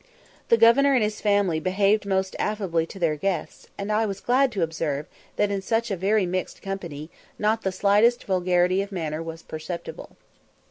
The governor and his family behaved most affably to their guests, and I was glad to observe that in such a very mixed company not the slightest vulgarity of manner was perceptible.